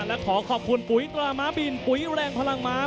และขอขอบคุณปุ๋ยตราม้าบินปุ๋ยแรงพลังม้า